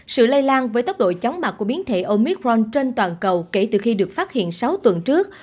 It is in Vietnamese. sự lây lan với tốc độ chóng mặt của biến thể omicron trên toàn cầu kể từ khi được phát hiện sáu tuần trước